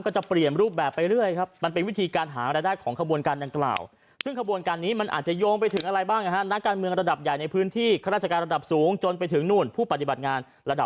ก่อนหน้านิสมาคมเองนะฮะ